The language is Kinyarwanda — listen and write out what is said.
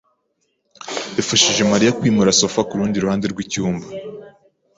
yafashije Mariya kwimura sofa kurundi ruhande rwicyumba.